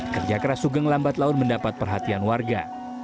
kerja keras sugeng lambat laun mendapat perhatian warga